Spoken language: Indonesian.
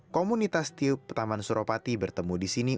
komunitas tiup taman suropati bertemu di sini